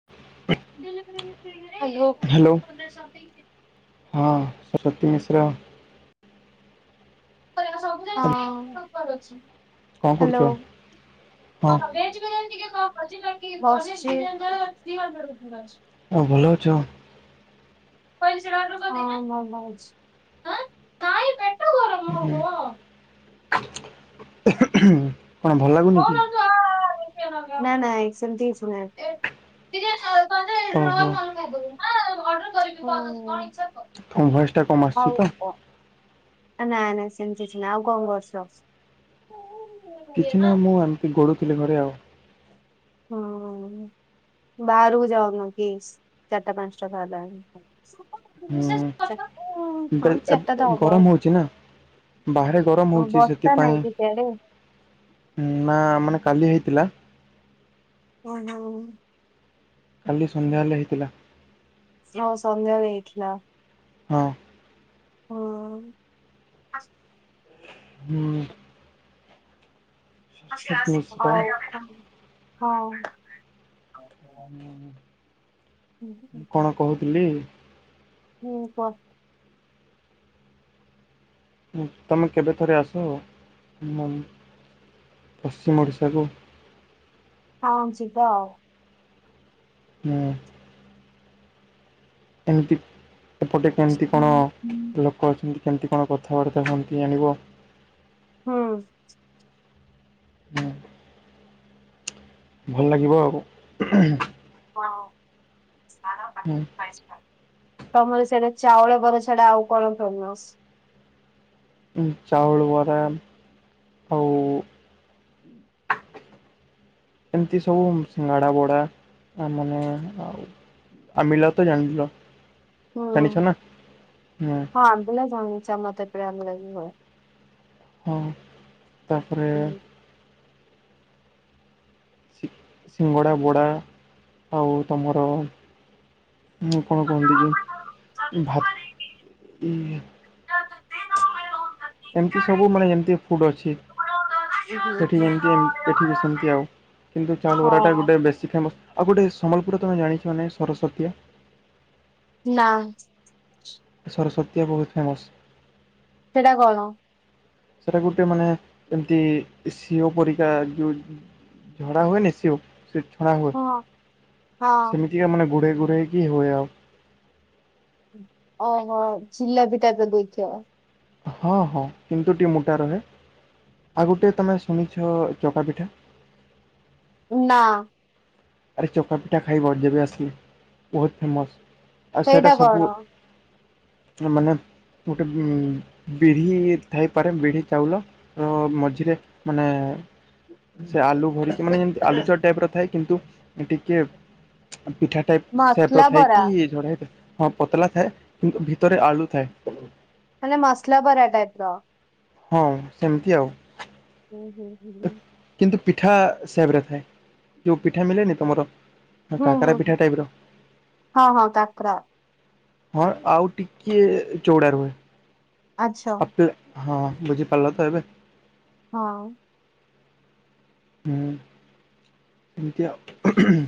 [inaudible] Hello. Hello ହଁ ସରସ୍ଵତୀ ମିଶ୍ର। ହଁ କଣ କରୁଛ? ହେଲୋ। ହଁ ବସ୍ ଚି। ଆଉ ଭଲ ଅଛ? ହଁ ଭଲ ଅଛି। ହୁଁ କଣ ଭଲ ଲାଗୁନି କି? ନାଇ ନାଇ ସେମତି କିଛିନାହିଁ। ଓହୋ। ହଉ। ତମ ବୟସ ଟା କମ ଆସଚି ତ। ନାଇ ନାଇଁ ସେମିତି କିଛି ନାଇ ଆଉ କଣ କରୁଚ? କିଛି ନାଇ ମୁଁ ଏମିତି ଗଡୁଥିଲି ଘରେ ଆଉ। ହ ହଁ ବାହାରକୁ ଯାଉନ କି ଚାରିଟା ପାଞ୍ଚଟା ତ ହେଲାଣି? ହଁ ଚାରିଟା ହୁଁ ଦେ ବ ତ ହବ ଗରମ ହଉଚି ନା? ବାହାରେ ଗରମ ହଁ ହଉଚି ବର୍ଷା ନାଇଁ ସେଥିପାଇଁ କି ସିଆଡେ? ଉଁ ନା ମାନେ କାଲି ହେଇଥିଲା। ଓ ହୋ। କାଲି ସନ୍ଧ୍ୟା ହେଲେ ହେଇଥିଲା। ହଁ ସନ୍ଧ୍ୟାବେଳେ ହେଇଥିଲା। ହଁ। ହଁ। ହୁଁ। ସରସ୍ଵତୀ ମିଶ୍ର ଆଉ କୁହନ୍ତୁ। ହଁ। ହୁଁ। ମୁଁ କଣ କହୁଥିଲି ହୁଁ କହ। ଉ ତମେ କେବେଥରେ ଆସ ହୁଁ ପଶ୍ଚିମ ଓଡ଼ିଶାକୁ। ହଁ ଯିବା ଆଉ। ହୁଁ। ଏମିତି ଏପଟେ କେମିତି କଣ ଲୋକ କ ଅଛନ୍ତି କେମିତି କଣ କଥାବାର୍ତ୍ତା ହୁଅନ୍ତି ଜାଣିବ। ହଁ। ହୁଁ। ଭଲ ଲାଗିବ ଆଉ। ହଁ ସାର ହୁଁ। ତମର ସେଇଟା ଚାଉଳ ବର ଛଡା ଆଉ କଣ ଫେମସ? ଚାଉଳ ବରା ଆଉ ଏମତି ସବୁ ସିଙ୍ଗଡା ବଡା ଆ ମାନେ ଆଉ ଆମ୍ବିଲା ତ ଜାଣି ଥିଲ। ହୁଁ ହୁଁ ହଁ ଆମ୍ବିଲା ଜଣଛି ଆମ ତତି ରେ ଅନଲାଇନ ହୁଏ। ହଁ ତାପରେ। ସି ସିଙ୍ଗଡ଼ା ବଡ଼ା ଆଉ ତମର। ମୁଁ କଣ କୁହନ୍ତି କି ଭାତ୍ ଉଁ। [unintelligible] ଏମିତି ସବୁ ମାନେ ଏମତି ଫୁଡ୍ ଅଛି। ସେଠି ହୁଁ। ଯେମିତି ଏମ ଏଠି ବି ସେମିତି ଆଉ କିନ୍ତୁ ଚାଉଲ ବରା ଟା ହଁ ଗୋଟେ ବେଶୀ ଫେମସ୍। ଆଉ ଗୋଟେ ସମ୍ବଲପୁର ରେ ତମେ ଜାଣିଛ ନା ନାଇଁ ସରସତିଆ। ନା। ସରସତୀଆ ବହୁତ ଫେମସ୍। ସେଟା କଣ। ସେଇଟା ଗୋଟିଏ ମାନେ ଏମତି ସିଓ ପରିକା ଯୋଉ। ଝଡା ହୁଏନି ସେଓ। ସେ ଛଣା ହୁଏ ହଁ ହଁ। ସେମିତିକା ମାନେ ଗୁଡ଼େଇ ଗୁଡ଼େଇକି ହୁଏ ଆଉ। ଓହୋ ଜିଲାପି ଟାଇପ ର‌ ଦେଇଥିବ। ହଁ ହଁ କିନ୍ତୁ ଟିକେ ମୋଟା ରହେ ଆଉ ଗୋଟେ ତମେ ଶୁଣି ଥିବ ଚକା ପିଠା। ନା। ଆରେ ଚକା ପିଠା ଖାଇବା ଯେବେ ଆସିଲେ ବହୁତ ଫେମସ୍ ଆଉ ସେଇଟା ସବୁ। ଇଏ ମାନେ ଗୋଟେ ଉଁ ବିଢି ଥାଇପାରେ ବିଢି ଚାଉଲ। ର ମଝିରେ ମାନେ। ସେ ଆଲୁ ଭରିକି ମାନେ ଯେମତି ଆଳୁଚପ ଟାଇପ ର ଥାଏ କିନ୍ତୁ। ଟିକେ ପିଠା ଟାଇପ ସେପ୍ ର ମସଲା ଥାଏ ବରା କି ଝଡା ହେଇଥାଏ। ହଁ ପତଲା ଥାଏ କିନ୍ତୁ ଭିତରେ ଆଲୁ ଥାଏ। ସେନ୍ତା ମସଲା ବରାଟା ଟାଇପ ର। ହଁ ସେମିତି ଆଉ। ହୁଁ ହୁଁ ହୁଁ। କିନ୍ତୁ ପିଠା ସେବ୍ ରେ ଥାଏ ଯୋଉ ପିଠା ମିଲେନି ତମର। ହୁଁ କାକରା ହୁଁ ପିଠା ହୁଁ ଟାଇପ ର ହଁ ହଁ କାକରା। ହଁ ଆଉ ଟିକିଏ ଚଉଡା ରୁହେ। ଆଚ୍ଛା ଆପେ ହଁ ବୁଝିପାରିଲ ତ ଏବେ। ହଁ। ହୁଁ। ଏମିତି ଆଉ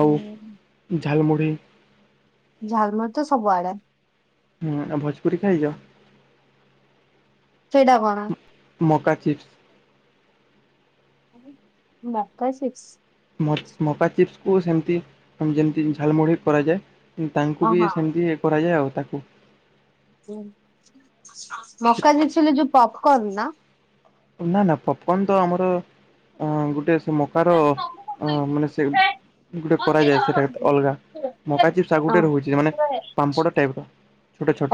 ଆଉ ଝାଲମୁଢ଼ି। ଝାଲମୁରି ତ ସବୁଆଡେ। ହୁଁ ଆଉ ଭୋଜପୁରୀ ଖାଇଛ। ସେଇଟା କଣ। ମକା ଚିପ୍ସ୍। ମକା ସିପ୍ସ୍। ମ ମକା ଚିପ୍ସକୁ ସେମିତି ଯେମିତି ଝାଲମୁଢ଼ କରାଯାଏ। ତାଙ୍କୁ ଓ ବି ହଁ ସେମିତି କରାଯାଏ ଆଉ ତାକୁ। ହୁଁ ମକା ଚିପ୍ସ ହେଲେ ଯୋଉ ପପକର୍ଣ ନା। ନା ନା ପପକନ୍ ତ ଆମର ଅ ଗୋଟେ ସେ ଓହୋ ହୁଁ ମକାର ମାନେ ସେ। ଗୋଟେ କରାଯାଏ ସେଟା ଅଲଗା ମକା ଚିପ୍ସ ଆଉ ଗୋଟେ ରହୁଛି ମାନେ ପାମ୍ପଡ ଟାଇପ ର।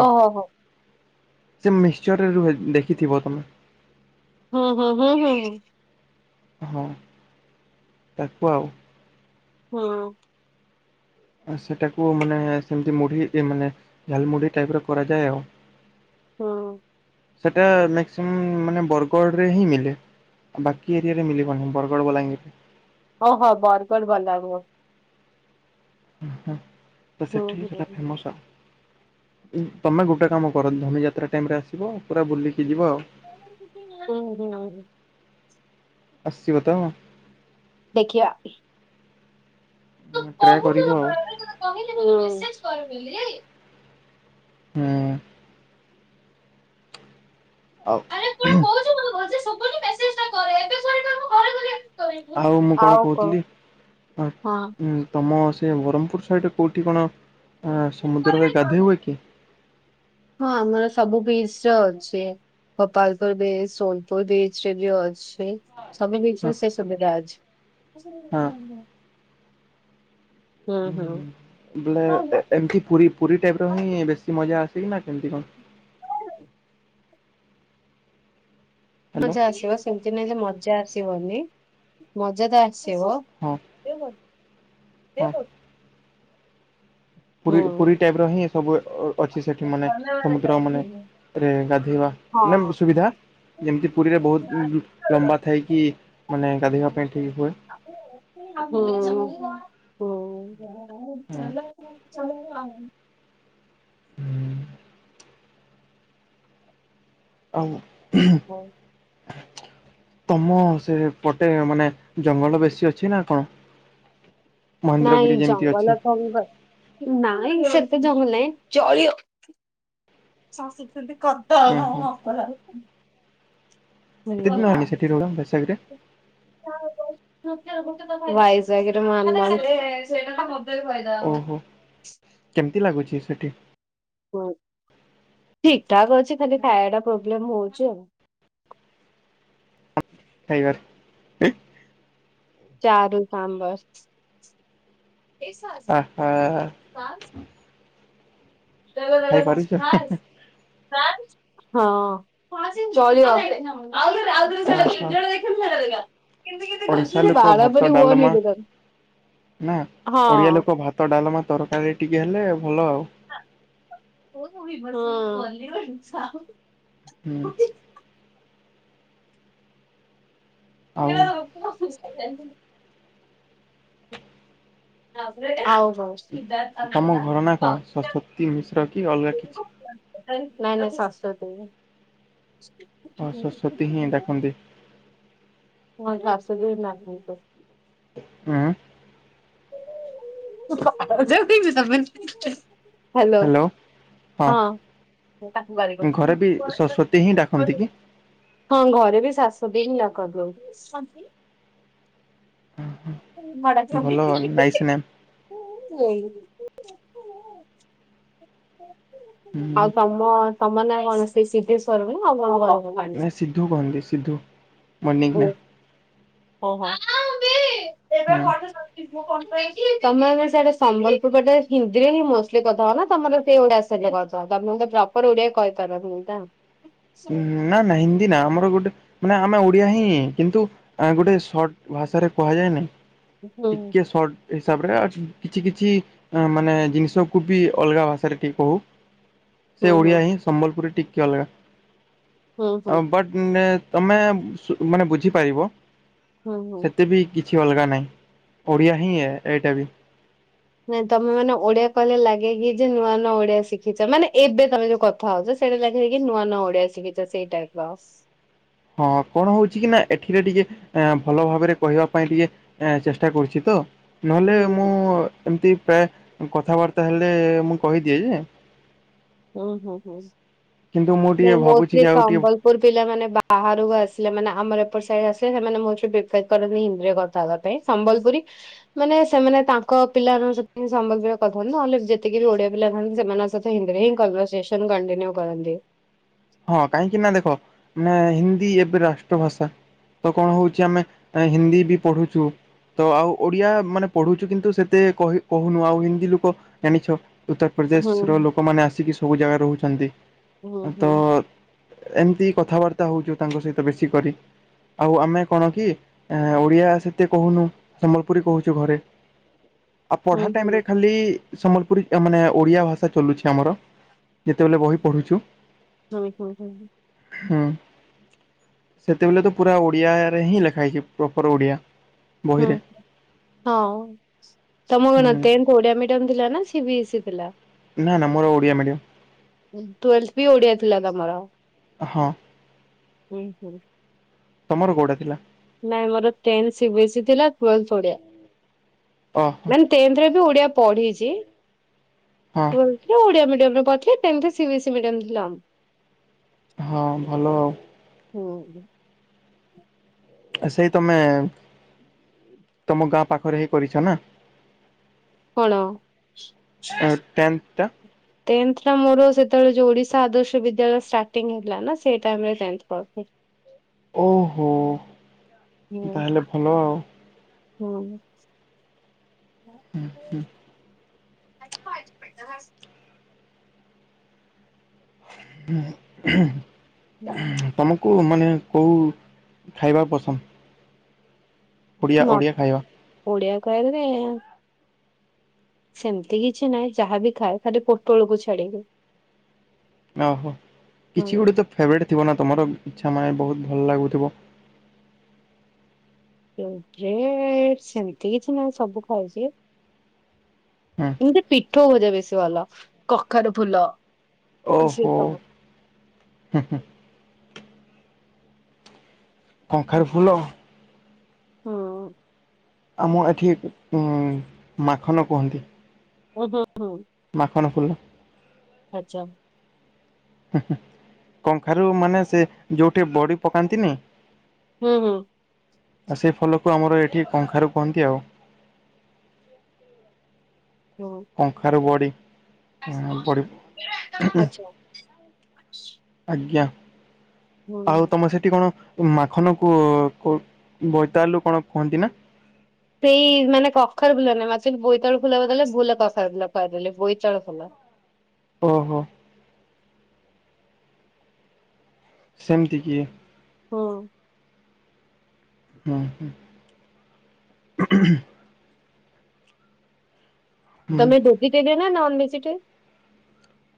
ଓ ହୋ ହୋ। ସେ ମିକ୍ସ୍ଚରରେ ରୁହେ ଦେଖିଥିବ ତମେ। ହୁଁ ହୁଁ ହୁଁ ହୁଁ ହୁଁ। ହଁ ତାକୁ ଆଉ। ହୁଁ। ଆଉ ସେଟାକୁ ମାନେ ସେମତି ମୁଢି ଏ ମାନେ ଝାଲ ମୁଢି ଟାଇପ ର କରାଯାଏ ଆଉ। ହଁ। ସେଟା ମାକ୍ସିମମ ମାନେ ବରଗଡ଼ରେ ହିଁ ମିଳେ। ବାକି ଏରିଆରେ ମିଳିବନି ବରଗଡ଼ ବଲାଙ୍ଗୀର ଓହୋ ବରଗର [unintelligible] ହୁ ତ ହୁଁ ହୁଁ ସେଠିକି ସେଟା ଫେମସ ତମେ ଗୋଟେ କାମ କରନ୍ତୁ ଧନୀ ଯାତ୍ରା ଟାଇମ ରେ ଆସିବ ପୁରା ବୁଲିକି ଯିବ ଆଉ। [inaudible] ଅସିବତ ଦେଖିବା। ତୁ ହୁଁ ଟ୍ରାଏ କରିବ କହୁଥିଲୁ ଆଉ। ପରା, ହୁଁ। ହୁଁ। ଆଉ ଆରେ କଣ କହୁଛୁ ମୋତେ ଭଲସେ ଶୁଭୁନି, ମେସେଜଟା କରେ। ଏବେ ସରିଲେ ମୁଁ ଘରେ ଗଲେ କରିବି। ଆଉ ମୁଁ କଣ କହୁଥିଲି ହ ହଁ। ହୁଁ ତମ ସେ ବ୍ରହ୍ମପୁର ସାଇଡ଼ରେ କଉଠି କଣ ଆଁ ସମୁଦ୍ରରେ କରିବି କଣ? ଗାଧେଇ ହୁଏ କି? ହଁ ଆମର ସବୁ ବିସ୍ ର ଅଛି। ଗୋପାଳପୁର ବିଚ ସୋନପୁର ବିଚ [unintelligible] ଅଛି। ହଁ [unintelligible] ସେ ସୁବିଧା ଅଛି। ହଁ। ହୁଁ ହୁଁ। ହଁ ବ୍ଲେ ଏମତି ପୁରୀ ପୁରୀ ଟାଇପ ର ହିଁ ବେଶୀ ମଜା ଆସେ କିି ନା କେମତି କଣ? ହ୍ୟାଲୋ ମଜା ଆସିବ ସେମିତି ନାହିଁ ଯେ ମଜା ଆସିବନି ମଜା ତ ଆସିବ। ହଁ। ହଁ। [inaudible] ପୁରୀ ହୁଁ। ପୁରୀ ଟାଇପ ର ହିଁ ସବୁ ଅ ଅଛି ସେଠି ମାନେ ସମୁଦ୍ର ମାନେ ରେ ଗାଧୋଇବା ମ୍ୟାମ୍ ସୁବିଧା ଯେମିତି ପୁରୀରେ ବହୁତ ଲମ୍ବା ଥାଇକି ମାନେ ଗାଧେଇବା ପାଇଁ ଠିକ୍ ହୁଏ। ହୁଁ ହୁଁ। ହୁଁ [inaudible] ଆଉ। [unintelligible] ଆ [unintelligible] ତମ ସେ ପଟେ ମାନେ ଜଙ୍ଗଲ ବେଶୀ ଅଛି ନା କଣ? ନାଇଁ ମହେନ୍ଦ୍ରଗିରି ଯେମିତି ଅଛି ଜଙ୍ଗଲ ତ ନାଇଁ ସେତେ ଜଙ୍ଗଲ ନାହିଁ ଚଳିବ ଉଁ ହଁ ହଁ ହୁଁ ହଁ ପରା। କିତନା ଆନି ସେଠି ରହୁଜ ବ୍ୟାକ ସାଇଟରେ ବାଇଶ ମାନ ସେ [inaudible] ଓହୋ କେମିତି ଲାଗୁଛି ସେଠି? ହଁ ଠିକ ଠାକ ଅଛି ଖାଲି ଖାଇବା ଟା ପ୍ରୋବ୍ଲେମ ହଉଚି ଆଉ। ଖଇବା ଚାରୁ ସାମ୍ବର ଆହା [inaudible] ଖାଇପାରୁଛ? ହଁ ଚଳିବ ଅ ହୋ। [inaudible] ଭାତ ଡାଲମା ନା ଓଡିଆ ! ଲୋକ ! ! ! ! ! ! ! ! ! ଭାତ ଡାଲାମା ତରକାରୀ ଟିକେ ହେଲେ ଭଲ ଆଉ ହଁ। ହୁଁ। ଆଉ [inaudible] [unintelligible] [unintelligible] କି ମିଶ୍ର କି ଅଲଗା କିଛି। ନାଇଁ ନାଇଁ ଶାଶୁ ଦେବେ। ହଁ ସରସ୍ୱତୀ ହିଁ ଦେଖନ୍ତି। ହଁ ଘାସ ଯୋଉ ହଁ। [unintelligible] ହ୍ୟାଲୋ ହଁ। ତାକୁୁ [inaudible] ଘରେ ବି ସରସ୍ଵତୀ ହିଁ ଡାକନ୍ତି କି? ହଁ ଘରେ ବି ଶାଶ ବି ହିଆ କରିଦଉ [inaudible] ହ ମା ଭଲ ହଁ ନାଇସ୍ ନେମ୍ [unintelligible] ଆଉ ତମ ତମ ନାଁ କଣ ସେ ସିଦ୍ଧେଶ୍ଵର ନା ଆଉ କଣ କ? ନାଇଁ ସିଧୁ କୁହନ୍ତି ସିଧୁ ୟୁନିକ ନା। ଓହୋ। ହୁଁ। ତମର ସିଆଡେ ସମ୍ବଲପୁରଟେ ହିନ୍ଦୀରେ ହଁଷ୍ଟ କଥା ହବ ନା ତମର ସେ ଗୋଟେ ଆସିଲେ କଥା। ତପ ତ ପ୍ରପର ଓଡିଆ କହିପାରନି ତ ନା ନା ହିନ୍ଦୀ ନା ଆମର ଗୋଟେ ମାନେ ଆମେ ଓଡିଆ ହିଁ କିନ୍ତୁ ଗୋଟେ ସର୍ଟ ଭାଷାରେ କୁହାଯାଏନାଇଁ ହୁଁ ଟିକେ ସର୍ଟ ହିସାବ ରେ ଆ କିଛି କିଛି ମାନେ ଜିନିଷକୁ ବି ଅଲଗା ଭାଷାରେ ଟିକେ କହୁ ସେ ହୁଁ। ଓଡିଆ ହିଁ ସମ୍ବଲପୁରରେ ଟିକେ ଅଲଗା ହୁଁ ହୁଁ ବଟ୍ ତମେ ମାନେ ବୁଝିପାରିବ ହୁଁ ହୁଁ। ସେତେ ବି କିଛି ଅଲଗା ନାହିଁ ଓଡ଼ିଆ ହିଁ ଏଇଟା ବି ନାଇଁ ତମେ ମେ ଓଡିଆ କହିଲେ ଲାଗେ କି ଯେ ନୂଆ ନୂଆ ଓଡିଆ ଶିଖିଛ, ମାନେ ଏବେ ତମେ ଯୋଉ କ କଥା ହଉଛ ସେଇଟା ଲାଗେ କି ନୂଆ ନଆ ଓଡିଆ ଶିଖିଛ ସେଇ ଟାଇପ ର ହଁ କଣ ହଉଛି କି ନା ଏଠିରେ ଟିକେ ଭଲ ଭାବରେ କହିବା ପାଇଁ ଟିକେ ଆ ଚେଷ୍ଟା କରୁଛି ତ ନହେଲେ ହୁଁ ମୁଁ ଏମତି ପ୍ରାୟ କଥାବାର୍ତ୍ତା ହେଲେ ମୁଁ କହିଦିଏ ଯେ ହୁଁ ହୁଁ ହୁଁ କିନ୍ତୁ ମୁଁ ଟିକେ ଭାବୁଛି ମୋଷ୍ଟଲି କି ଆଉ ଟିକେ ସମ୍ବଲ ମୋର ପିଲା ମାନେ ବାହାରକୁ ଆସେ ମାନେ ଆମର ଏପଟ ସାଇଡ ଆସେ ସେମାନେ ମୋ ବପେଦ କରନ୍ତି ଇନ୍ଦ୍ରିୟ କଥା ହେବା ପାଇଁ। ସମ୍ବଲପୁରୀ ମାନେ ସେମାନେ ତାଙ୍କ ପିଲାମାନଙ୍କହିହିଁ ସମ୍ଭବରେ କରିଥାନ୍ତି ନହେଲେ ଯେତିକି ବି ଓଡିଆ ପିଲା ଥାଆନ୍ତି ସେମାନଙ୍କସହିତ ହିନ୍ଦୀରେ ହି କନର୍ସେନ କଣ୍ଟିନ୍ୟୁ କରନ୍ତି ହଁ କାହିଁକି ନା ଦେଖ ମାନେ ହିନ୍ଦୀ ଏବେ ରାଷ୍ଟ୍ର ଭାଷା ତ କଣ ହଉଛି ଆମେ ହିନ୍ଦୀ ବି ପଢୁଛୁ ତ ଆଉ ଓଡିଆ ମାନେ ପଢୁଛୁ କିନ୍ତୁ ସେତେ କହୁନୁ ଆଉ ହିନ୍ଦୀ ଲୋକ ଜାଣିଛ ହୁଁ ଉତ୍ତରପ୍ରଦେଶର ଲୋକମାନେ ଆସିକି ସବୁ ଜାଗାରେ ରହୁଛନ୍ତି ହୁ ତ ହୋଁ ଏମିତି କଥାବାର୍ତ୍ତା ହଉଛୁ ତାଙ୍କ ସହିତ ବେଶୀ କରି ଆଉ ଆମେ କଣ କି ଓଡିଆ ସେତେ କହୁନୁ ସମ୍ବଲପୁରୀ କହୁଛୁ ଘରେ ଆଉ ହୁଁ ପଢ଼ା ଟାଇମ ହୁଁ ରେ ଖାଲି ସମ୍ବଲପୁରୀ ମାନେ ଓଡିଆ ଭାଷା ଚଲୁଛି ଆମର ଯେତେବେଳେ ବହି ପଢୁଛୁ [inaudible] ହଁ ସେତେବେଳେ ତ ପୁରା ଓଡ଼ିଆରେ ହିଁ ଲେଖା ହେଇଛି ପ୍ରପର ଓଡ଼ିଆ ହୁଁ ବହିରେ। ହଁ ହୁଁ [unintelligible] ଓଡିଆ ମିଡିମ ଥିଲା ନା ସିବିଏସ୍ଇ ଥିଲା ନା ନା ମୋର ଓଡିଆ ମିଡିୟମ ଟୁଏଲଥ ବି ଓଡିଆ ଥିଲା ତମର ହଁ। ଉଁ -ହୁଁ। ତମର କଉଟା ଥିଲା? ନାଇଁ ମୋର ଟେନ୍ଥ୍ ସିବିଏସ୍ଇ ଥିଲା ଟ୍ୱେଲ୍ଥ୍ ଓଡିଆ। ଓହୋ। ଟେନ୍ଥ୍ ରେ ବି ଓଡିଆ ପଢିଚି ହଁ। ଟ୍ୱେଲ୍ ଥିଲା ଓଡିଆ ମିଡିୟମରେ ପଢିଥିଲି ଟେନ୍ଥ୍ ରେ ସିବିଏସି ମିଡିୟମ ଥିଲା ଆଉ। ହଁ ଭଲ ଆଉ। ହୁଁ। ସେଇ ତମେ ତମ ଗାଁ ପାଖରେ ହେଇ କରିଚ ନା? କଣ? ଟେନ୍ଥ ଟା ଟେନ୍ଥ୍ ଟା ମୋର ସେତେବେଳେ ଯଉ ଓଡିଶା ଆଦର୍ଶ ବିଦ୍ୟାଳୟ ଷ୍ଟାଟିଙ୍ଗ୍ ହେଇଥିଲା ନା ସେ ଟାଇମ୍ ରେ ଟେନ୍ଥ୍ ପଢିଥିଲି। ଓହୋ। ହୁଁ- ତାହେଲେ ଭଲ ଆଉ। ହୁଁ। ହୁଁ- ହୁଁ। [unintelligible] ତମକୁ କଉ ମାନେ କଉ ଖାଇବା ପସନ୍ଦ୍? ଓଡ଼ିଆ -ଓଡ଼ିଆ ଖାଇବା। ଓଡିଆ କହିଲେ ସେମିତି କିଛି ନାହିଁ ଯାହାବି ଖାଏ ଖାଲି ପୋଟଳକୁ ଛାଡିକି। ଓହୋ ହଁ କିଛି ଗୁଟେ ତ ଫେବରେଟ୍ ଥିବ ନା ତମର ଇଚ୍ଛା ମାନେ ବହୁତ୍ ଭଲ ଲାଗୁଥିବ? ଏ-ଯେ ସେମିତି କିଛି ନାହିଁ ସବୁ ଖାଉଚି। ଆଁ। ଏମିତି ପିଠଉ ଭଜା ବେଶୀ ଭଲ କଖାରୁ ଫୁଲ। ସେ ଓହୋ! ସବୁ ହୁଁ- ହୁଁ। କଁଖାରୁ ଫୁଲ ହୁଁ ହୁଁ ଆମ ଏଠି ଉଁ- ମାଖନ କୁହନ୍ତି। [unintelligible] ମାଖନ ଫୁଲ। ଆଚା। ହୁଁ- ହୁଁ କଁଖାରୁ ମାନେ ସେ ଯଉ ଟିକେ ବଡି ପକାନ୍ତିନି। ହୁଁ- ହୁଁ। ଆ ସେ ଫୋଲକୁ ଆମର ଏଠି କଁଖାରୁ କୁହନ୍ତି ଆଉ। ଯଉ। କଁଖାରୁ ବଡି- ବଡି। ଆଚ୍ଛା ଆଜ୍ଞା। ଆଉ ହୁଁ ତମ ସେଠି କଣ ମାଖନ କୁ- କୁ-ବୈତାଲୁ କଣ କୁହନ୍ତି ନା? ସେଇ ମାନେ କଖାରୁ ଫୁଲ ନୁହେଁ ସେ ବୋଇତାଳୁ ଫୁଲ କହିଲେ ଭୁଲ୍ ରେ କଖାରୁ ଫୁଲ କହିଦେଲି ବୋଇତାଳୁ ଫୁଲ। ଓହୋ। ସେମିତି କି। ହୁଁ। ହୁଁ- ହୁଁ। ହୁଁ। ତମେ ଭେଜିଟେରିଏନ ନା ନନଭେଜିଟେ?